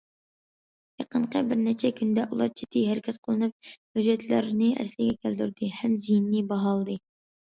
يېقىنقى بىر نەچچە كۈندە، ئۇلار جىددىي ھەرىكەت قوللىنىپ، ھۆججەتلەرنى ئەسلىگە كەلتۈردى ھەم زىيىنىنى باھالىدى.